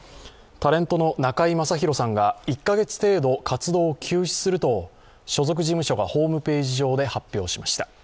タレントの中居正広さんが１か月程度、活動を休止すると所属事務所がホームページ上で発表しました。